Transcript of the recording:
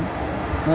hệ thống khai báo